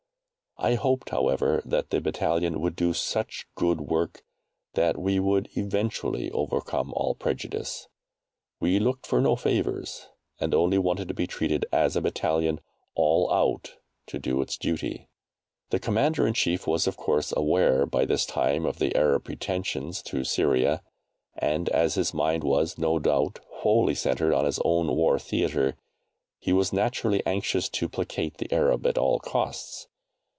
I hoped, however, that the battalion would do such good work that we would eventually overcome all prejudice. We looked for no favours, and only wanted to be treated as a battalion "all out" to do its duty. The Commander in Chief was of course aware by this time of the Arab pretensions to Syria, and as his mind was, no doubt, wholly centred on his own war theatre, he was naturally anxious to placate the Arab at all costs.